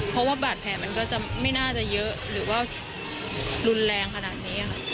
เพราะว่าบาดแผลมันก็จะไม่น่าจะเยอะหรือว่ารุนแรงขนาดนี้ค่ะ